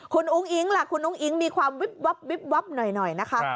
คุณอุ้งอิ๊งล่ะคุณอุ้งอิ๊งมีความวิบวับวิบวับหน่อยนะคะ